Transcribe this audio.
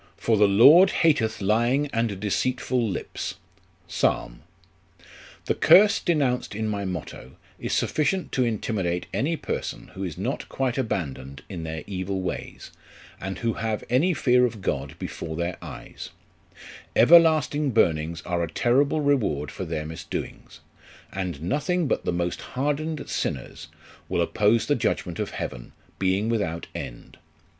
" 'For the Lord hateth lying and deceitful lips.' Psalm. " The curse denounced in my motto, is sufficient to intimidate any person who is not quite abandoned in their evil ways, and who have any fear of God before their eyes ; everlasting burnings are a terrible reward for their misdoings ; and nothing but the most hardened sinners will oppose the judgment of heaven, being without end.